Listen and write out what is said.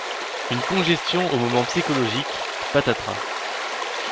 Une congestion au moment psychologique, et patatras.